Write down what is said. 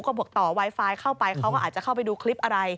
ก็บอกต่อไวไฟเข้าไปเขาก็อาจจะเข้าไปดูคลิปอะไร